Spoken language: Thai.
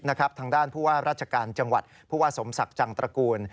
ทางด้านผู้ว่าราชการจังหวัดผู้ว่าสมศักดิ์จังตระกูล